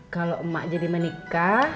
kalau emak jadi menikah